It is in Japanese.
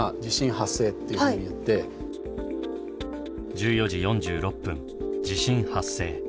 １４時４６分地震発生。